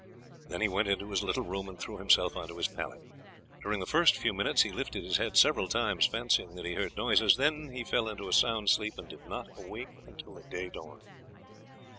Then he went into his little room and threw himself onto his pallet. During the first few minutes he lifted his head several times fancying that he heard noises; then he fell into a sound sleep and did not awake until the day dawned.